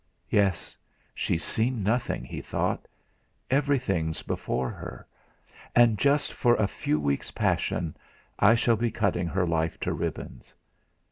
'Yes she's seen nothing,' he thought; 'everything's before her. And just for a few weeks' passion, I shall be cutting her life to ribbons.